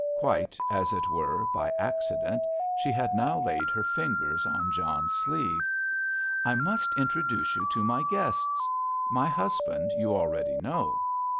Quite, as it were, by accident, she now laid her fingers on John's sleeve. "I must introduce you to my guests. My husband you already know."